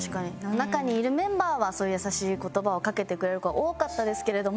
中にいるメンバーはそういう優しい言葉をかけてくれる子は多かったですけれども。